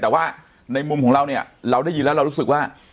แต่ว่าในมุมของเราเนี่ยเราได้ยินแล้วเรารู้สึกว่า